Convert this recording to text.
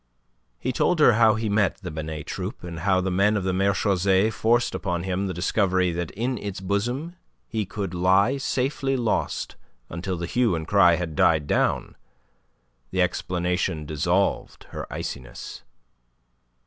He told her how he met the Binet Troupe, and how the men of the marechaussee forced upon him the discovery that in its bosom he could lie safely lost until the hue and cry had died down. The explanation dissolved her iciness.